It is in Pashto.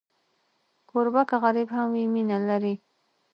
کوربه که غریب هم وي، مینه لري.